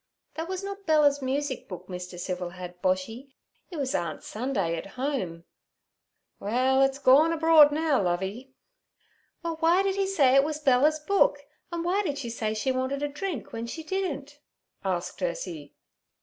'That was not Bella's music book Mr. Civil had, Boshy. It was aunt's Sunday at Home.' 'Well, it's gorn abroad now, Lovey.' 'Well, why did he say it was Bella's book, and why did she say she wanted a drink when she didn't?' asked Ursie.